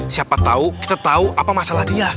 siapa tau kita tau apa masalah dia